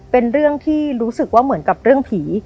เป็นเรื่องที่รู้สึกว่าเหมือนกับเรื่องผี